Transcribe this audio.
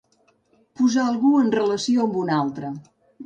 Posar algú en relació amb un altre.